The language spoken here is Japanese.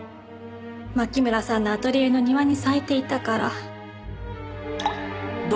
牧村さんのアトリエの庭に咲いていたから。